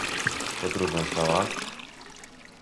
To trudna sprawa